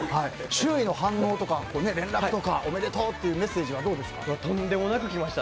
周囲の反応とか連絡とかおめでとうっていうとんでもなく来ました。